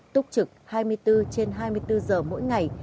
túc trực hai mươi bốn trên hai mươi bốn giờ mỗi ngày